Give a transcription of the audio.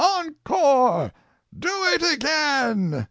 ENCORE! Do it again!"